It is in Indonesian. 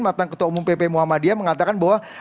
mantan ketua umum pp muhammadiyah mengatakan bahwa